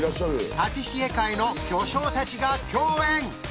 パティシエ界の巨匠たちが共演。